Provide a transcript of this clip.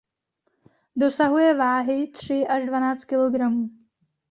Dosahuje váhy tři až dvanáct kilogramů.